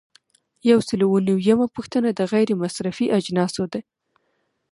یو سل او نوي یمه پوښتنه د غیر مصرفي اجناسو ده.